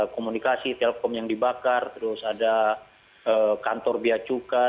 komunikasi telkom yang dibakar terus ada kantor biacuka